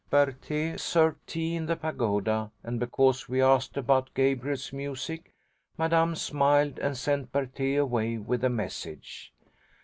"Berthé served tea in the pagoda, and because we asked about Gabriel's music, Madame smiled and sent Berthé away with a message.